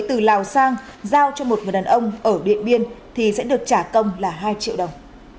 từ lào sang giao cho một người đàn ông ở điện biên thì sẽ được trả công là hai triệu đồng